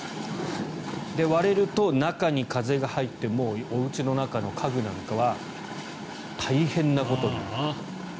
割れると、中に風が入っておうちの中の家具なんかは大変なことになる。